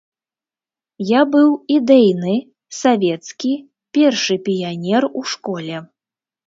Я быў ідэйны, савецкі, першы піянер у школе.